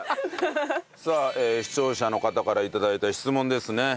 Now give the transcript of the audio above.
さあ視聴者の方から頂いた質問ですね。